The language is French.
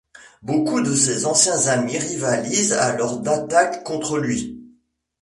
Beaucoup de ses anciens amis rivalisent alors d'attaques contre lui.